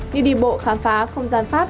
như đi bộ khám phá không gian pháp